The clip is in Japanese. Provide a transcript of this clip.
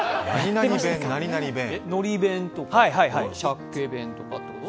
のり弁とかしゃけ弁とか？